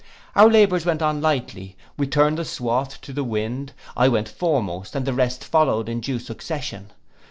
Our labours went on lightly, we turned the swath to the wind, I went foremost, and the rest followed in due succession.